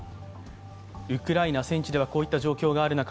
ウクライナ戦地ではこういった状況がある中